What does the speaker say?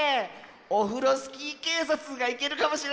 オフロスキーけいさつがいけるかもしれないね。